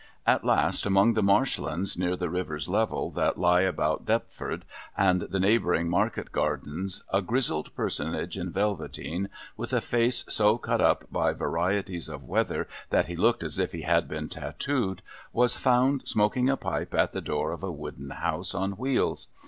At last, among the marsh lands near the river's level, that lie about Deptford and the neighbouring market gardens, a Grizzled Personage in velveteen, with a face so cut up by varieties of weather that he looked as if he had been tattooed, was found smoking a pipe at the door of a wooden house on wheels.